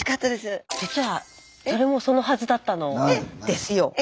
実はそれもそのはずったのですよ。